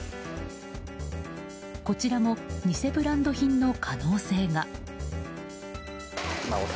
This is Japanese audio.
こちらも偽ブランド品の可能性が。